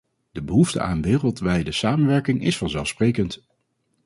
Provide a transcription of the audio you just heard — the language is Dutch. De behoefte aan wereldwijde samenwerking is vanzelfsprekend.